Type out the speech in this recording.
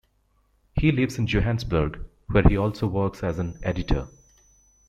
He lives in Johannesburg where he also works as an editor.